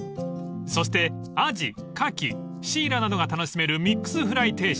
［そしてアジカキシイラなどが楽しめるミックスフライ定食］